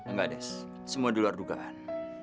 nggak des semua di luar dugaan